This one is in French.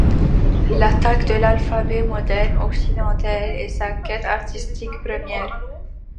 L’attaque de l’alphabet moderne occidental est sa quête artistique première.